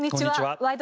「ワイド！